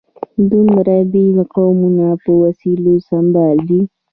دومره بېل قومونه په وسلو سمبال دي.